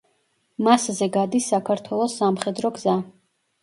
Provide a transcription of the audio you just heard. მასზე გადის საქართველოს სამხედრო გზა.